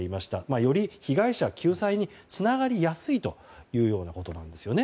より被害者救済につながりやすいということなんです。